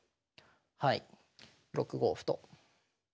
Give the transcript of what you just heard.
はい６五歩と。